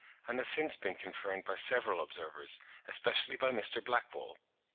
1824, and has since been confirmed by several observers, especially by Mr. Blackwall.